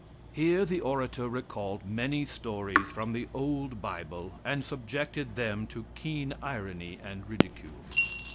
(Here the orator recalled many stories from the old bible and subjected them to keen irony and ridicule.